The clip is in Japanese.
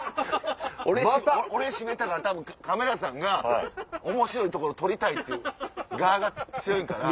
俺閉めたからたぶんカメラさんが面白いところ撮りたいっていう我が強いんかな。